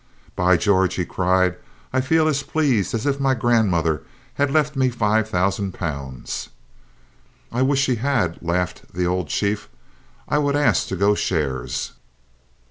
"By George!" he cried. "I feel as pleased as if my grandmother had left me five thousand pounds!" "I wish she had," laughed the old chief. "I would ask to go shares!"